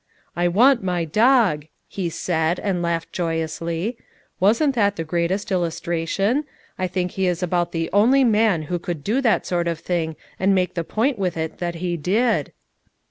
" 'I want my dog,' " he said, and laughed joy ously. "Wasn't that the greatest illustration! I think he is about the only man who could do that sort of thing and make the point with it that he did."